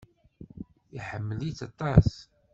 Iḥemmel-itt aṭas.